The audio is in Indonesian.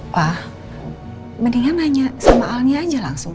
pak mendingan nanya sama aw aja langsung